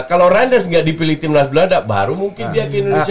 kalau randorse gak dipilih timnas belanda baru mungkin dia ke indonesia